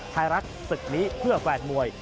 ไทยรัฐศึกนี้เพื่อแฟนมวย